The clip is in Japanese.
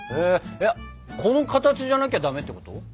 この形じゃなきゃダメってこと？